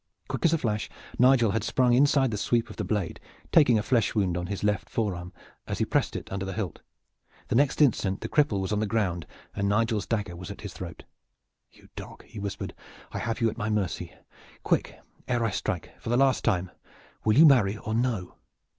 Quick as a flash, Nigel had sprung inside the sweep of the blade, taking a flesh wound on his left forearm, as he pressed it under the hilt. The next instant the cripple was on the ground and Nigel's dagger was at his throat. "You dog!" he whispered. "I have you at my mercy! Quick ere I strike, and for the last time! Will you marry or no?"